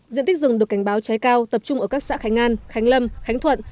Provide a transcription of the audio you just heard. diện tích rừng được cảnh báo cháy cao tập trung ở các xã khánh an khánh lâm khánh thuận